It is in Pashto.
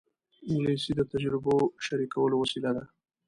انګلیسي د تجربو شریکولو وسیله ده